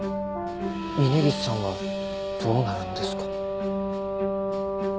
峰岸さんはどうなるんですか。